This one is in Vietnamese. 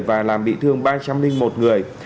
và làm bị thương ba trăm linh một người